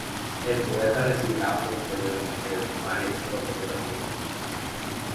El poeta recibiría posteriormente varias condecoraciones.